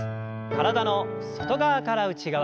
体の外側から内側。